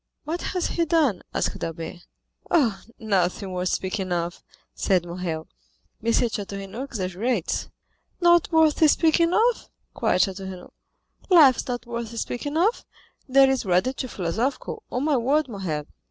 "What has he done?" asked Albert. "Oh, nothing worth speaking of," said Morrel; "M. de Château Renaud exaggerates." "Not worth speaking of?" cried Château Renaud; "life is not worth speaking of!—that is rather too philosophical, on my word, Morrel.